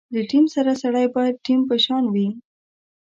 له ټیم سره سړی باید ټیم په شان وي.